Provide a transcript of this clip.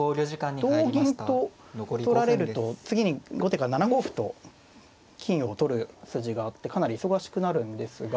同銀と取られると次に後手が７五歩と金を取る筋があってかなり忙しくなるんですが。